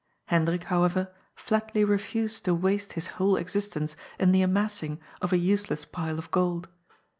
Hendrik, however, flatly refused to waste his whole existence in the amassing of a useless pile of gold.